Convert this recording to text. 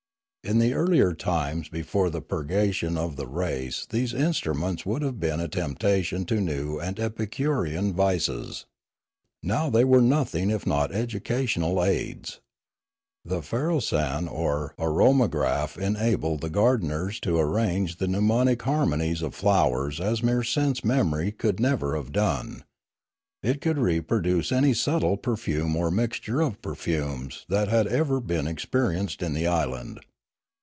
In the earlier times before the purgation of the race these instruments would have been a temptation to new and epicurean vices. Now they were nothing if not educational aids. The farosan or aromagraph enabled the gardeners to arrange the mnemonic har monies of flowers as mere sense memory could never have done; it could reproduce any subtle perfume or mixture of perfumes that had ever been experienced in the island.